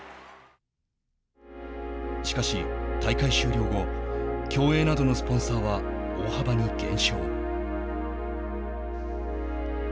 しかし、大会終了後競泳などのスポンサーは大幅に減少。